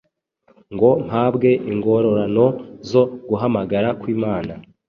ngo mpabwe ingororano zo guhamagara kw’Imana